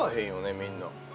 みんな。